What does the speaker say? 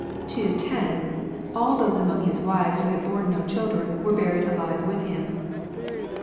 210, all those among his wives who had borne no children were buried alive with him.